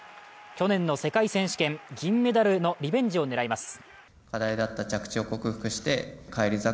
去年の世界選手権銀メダルのリベンジを狙います。